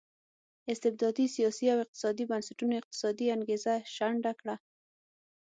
استبدادي سیاسي او اقتصادي بنسټونو اقتصادي انګېزه شنډه کړه.